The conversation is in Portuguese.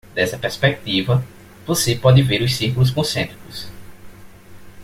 Dessa perspectiva, você pode ver os círculos concêntricos.